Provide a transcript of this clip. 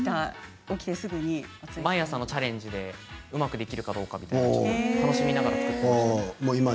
毎朝のチャレンジでうまくできるかどうか楽しみながら作っていました。